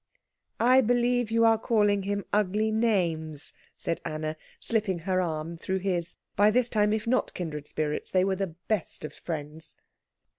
"I believe you are calling him ugly names," said Anna, slipping her arm through his; by this time, if not kindred spirits, they were the best of friends.